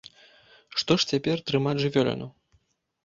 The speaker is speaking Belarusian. Што ж цяпер трымаць жывёліну?